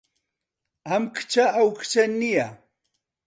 ئەم کچە ئەو کچە نییە.